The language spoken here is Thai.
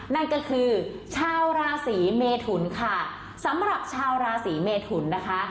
นั่นก็คือชาวราศีเมทุนค่ะสำหรับชาวราศีเมทุนนะคะ